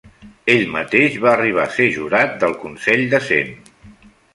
Ell mateix va arribar a ser jurat del Consell de Cent.